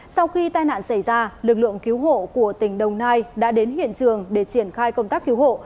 sau khi tai nạn xảy ra lực lượng cứu hộ của tỉnh đồng nai đã đến hiện trường để triển khai công tác cứu hộ